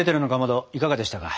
いかがでしたか？